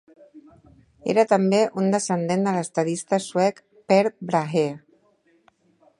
Era també un descendent de l'estadista suec Per Brahe.